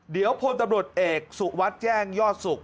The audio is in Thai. เดี๋ยวพลตำรวจเอกสุวัสดิ์แจ้งยอดสุข